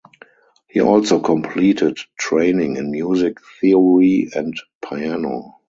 He also completed training in music theory and piano.